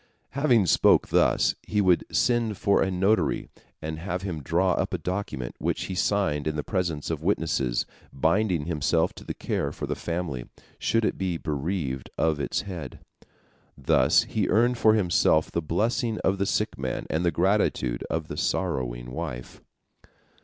Having spoken thus, he would send for a notary, and have him draw up a document, which he signed in the presence of witnesses, binding himself to care for the family, should it be bereaved of its head. Thus he earned for himself the blessing of the sick man and the gratitude of the sorrowing wife.